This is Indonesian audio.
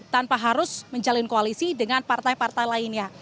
tanpa harus menjalin koalisi dengan partai partai lainnya